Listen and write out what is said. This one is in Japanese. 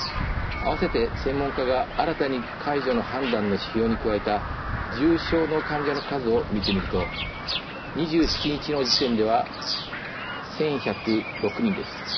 併せて、専門家が新たに解除の判断の指標に加えた重症の患者の数を見てみると２７日の時点では１１０６人です。